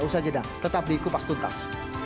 usaha jeda tetap di kupas tuntas